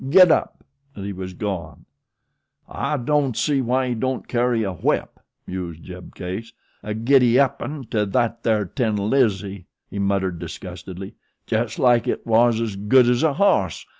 Giddap!" and he was gone. "I don' see why he don't carry a whip," mused Jeb Case. "A gidappin' to that there tin lizzie," he muttered disgustedly, "jes' like it was as good as a hoss.